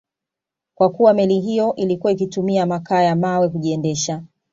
Kwa kuwa meli hiyo ilikuwa ikitumia makaa ya mawe kujiendesha